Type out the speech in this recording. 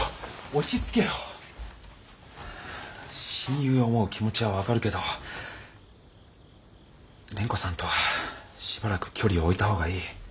親友を思う気持ちは分かるけど蓮子さんとはしばらく距離をおいた方がいい。